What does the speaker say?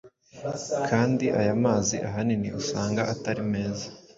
kandi aya mazi ahanini usanga atari meza